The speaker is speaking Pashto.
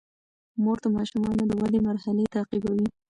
مور د ماشومانو د ودې مرحلې تعقیبوي.